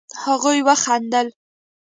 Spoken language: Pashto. هغوئ وخندل.